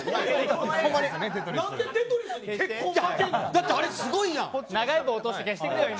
だってあれすごいやん。